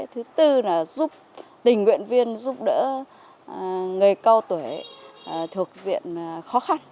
thứ tư là giúp tình nguyện viên giúp đỡ người cao tuổi thuộc diện khó khăn